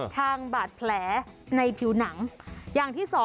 ๑ทางบาดแผลในผิวหนัง